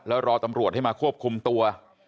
แล้วรอตำรวจให้มาควบคุมตัว